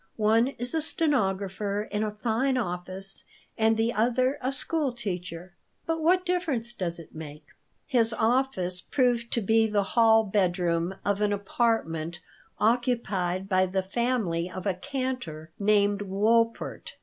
One is a stenographer in a fine office and the other a school teacher. But what difference does it make?" His office proved to be the hall bedroom of an apartment occupied by the family of a cantor named Wolpert.